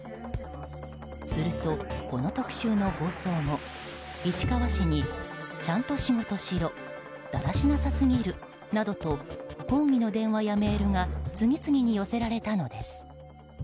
すると、この特集の放送後市川市にちゃんと仕事しろだらしなさすぎるなどと抗議の電話やメールが次々に寄せられたのです。